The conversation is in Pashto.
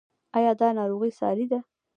ایا دا ناروغي ساری ده؟